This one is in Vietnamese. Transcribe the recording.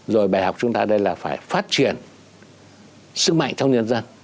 rồi bài học chúng ta đây là phải phát triển sức mạnh trong nhân dân